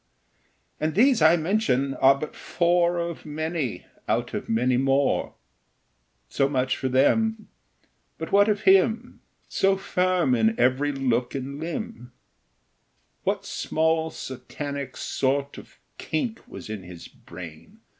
And these I mention are but four Of many out of many more. So much for them. But what of him So firm in every look and limb? What small satanic sort of kink Was in his brain?